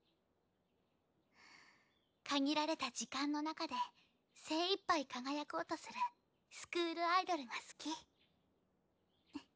限られた時間の中で精いっぱい輝こうとするスクールアイドルが好き。